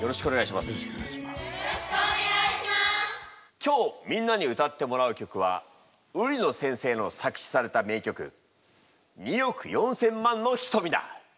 今日みんなに歌ってもらう曲は売野先生の作詞された名曲「２億４千万の瞳」だ。